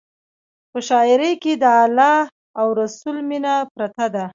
په شاعرۍ کې د الله او رسول مینه پرته ده.